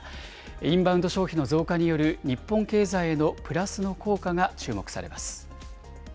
インバウンド消費の増加による日本経済へのプラスの効果が注目されます。